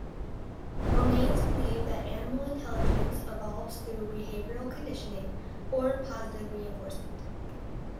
Romanes believed that animal intelligence evolves through behavioural conditioning, or positive reinforcement.